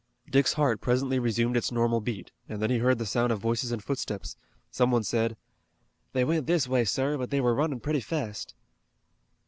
Dick's heart presently resumed its normal beat, and then he heard the sound of voices and footsteps. Some one said: "They went this way, sir, but they were running pretty fast."